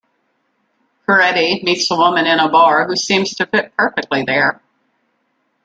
Coretti meets a woman in a bar who seems to fit perfectly there.